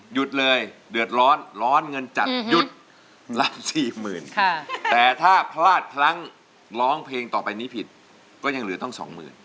หยุดเลยเดือดร้อนร้อนเงินจัดหยุดละสี่หมื่นแต่ถ้าพลาดพลั้งร้องเพลงต่อไปนี้ผิดก็ยังเหลือต้องสองหมื่น